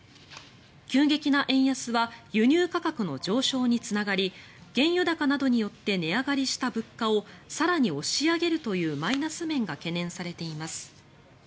急激な円安は輸入価格の上昇につながり原油高などによって値上がりした物価を更に押し上げるというマイナス面が懸念されています。